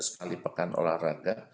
banyak sekali pekan olahraga